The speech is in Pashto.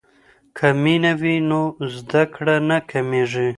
که مینه وي نو زده کړه نه کمیږي.